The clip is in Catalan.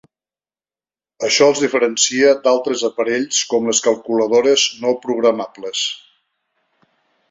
Això els diferencia d'altres aparells com les calculadores no programables.